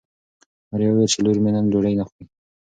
مور یې وویل چې لور مې نن ډوډۍ نه خوري.